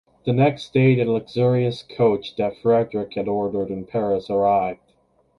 The next day the luxurious coach that Frederick had ordered in Paris arrived.